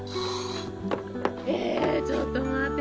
え、ちょっと待って。